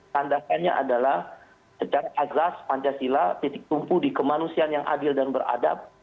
tandakannya adalah azaz pancasila titik tumpu di kemanusiaan yang adil dan beradab